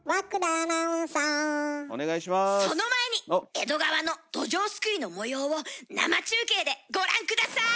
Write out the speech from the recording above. その前に江戸川のどじょうすくいのもようを生中継でご覧ください！